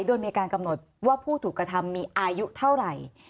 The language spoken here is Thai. โดยมีการกำหนดว่าผู้ถูกกระทำมีอายุเท่าไหร่